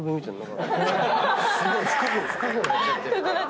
すごい深くなっちゃってる。